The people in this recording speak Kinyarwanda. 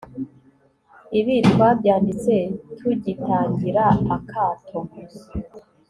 Ibi twabyanditse tugitangira akato